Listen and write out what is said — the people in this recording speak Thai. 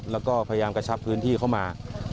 แล้วก็พยายามกระชับพื้นที่เข้ามา